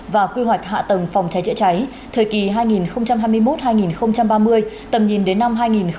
và quy hoạch hạ tầng phòng cháy chữa cháy thời kỳ hai nghìn hai mươi một hai nghìn ba mươi tầm nhìn đến năm hai nghìn năm mươi